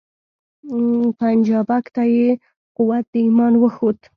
پنجابک ته یې قوت د ایمان وښود